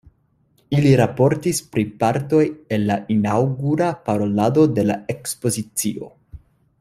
Ili raportis pri partoj el la inaŭgura parolado de la ekspozicio.